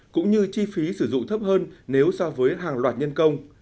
cũng như chi phí sử dụng thấp hơn nếu so với hàng loạt nhân công